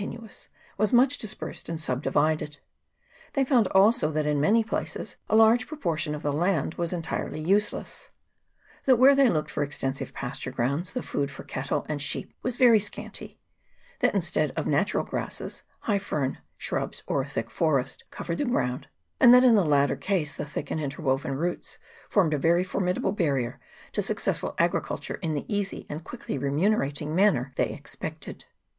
5 nuous, was much dispersed and subdivided : they found also that in many places a large proportion of the land was entirely useless ; that where they looked for extensive pasture grounds, the food for cattle and sheep was very scanty ; that instead of natural grasses, high fern, shrubs, or a thick forest covered the ground ; and that in the latter case the thick and interwoven roots formed a very formidable barrier to successful agriculture in the easy and quickly remunerating manner they expected.